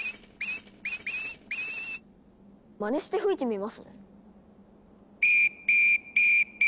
まねして吹いてみますね。